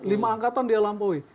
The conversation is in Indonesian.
lima angkatan dia lampaui